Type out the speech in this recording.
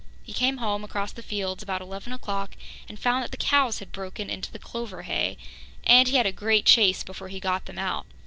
He came home across the fields about eleven o'clock and found that the cows had broken into the clover hay, and he had a great chase before he got them out.